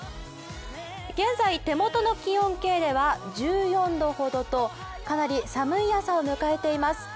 現在、手元の気温計では１４度ほどとかなり寒い朝を迎えています。